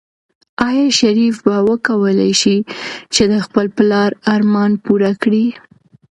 آیا شریف به وکولی شي چې د خپل پلار ارمان پوره کړي؟